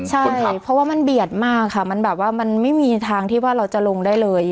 ใช่เพราะว่ามันเบียดมากค่ะมันแบบว่ามันไม่มีทางที่ว่าเราจะลงได้เลย